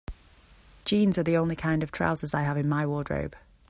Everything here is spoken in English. Jeans are the only kind of trousers I have in my wardrobe.